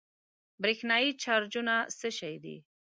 برېښنايي چارجونه څه شی دي؟